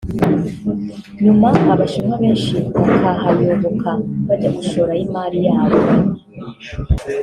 nyuma Abashinwa benshi bakahayoboka bajya gushorayo imari yabo